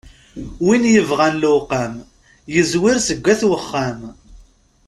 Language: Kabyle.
Win yebɣan lewqam, yezwir seg at wexxam.